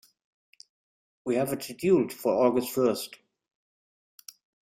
We have it scheduled for August first.